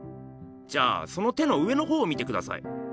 じゃあその手の上のほうを見てください。